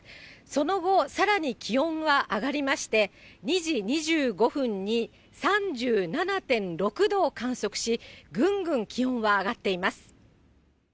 その後、さらに気温は上がりまして、２時２５分に３７．６度を観測し、ぐんぐん気温は上がっています。